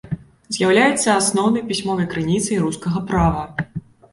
З'яўляецца асноўнай пісьмовай крыніцай рускага права.